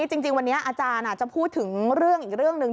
จริงวันนี้อาจารย์จะพูดถึงเรื่องอีกเรื่องหนึ่ง